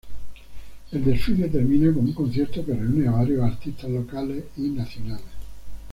El desfile termina con un concierto que reúne a varios artistas locales y nacionales.